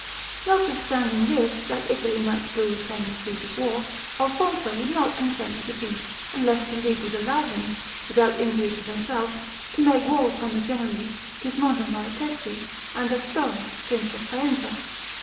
Notwithstanding this, that Italy might still retain the seeds of war, Alfonso would not consent to the peace, unless the League would allow him, without injury to themselves, to make war upon the Genoese, Gismondo Malatesti, and Astorre, prince of Faenza.